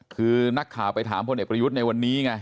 คือนักข่าวไปถามพลเอกประยุทธ์ในวันนี้ไง